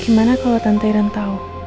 gimana kalau tante iran tahu